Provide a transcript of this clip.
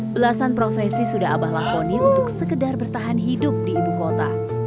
belasan profesi sudah abah lakoni untuk sekedar bertahan hidup di ibu kota